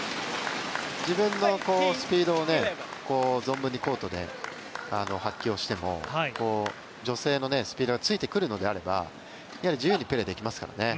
自分のスピードを存分にコートで発揮をしても女性のスピードがついてくるのであれば自由にプレーできますからね。